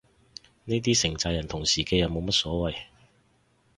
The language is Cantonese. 呢啲成咋人同時嘅又冇乜所謂